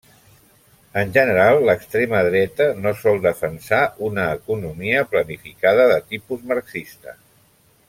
En general l'extrema dreta no sol defensar una economia planificada de tipus marxista.